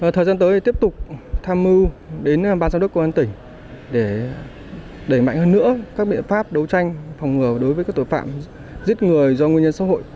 thời gian tới tiếp tục tham mưu đến ban giám đốc công an tỉnh để đẩy mạnh hơn nữa các biện pháp đấu tranh phòng ngừa đối với các tội phạm giết người do nguyên nhân xã hội